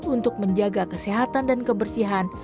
untuk menjaga kesehatan dan kebersihan